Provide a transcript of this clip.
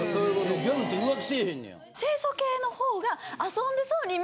ギャルって浮気せぇへんねや。